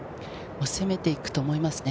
攻めていくと思います。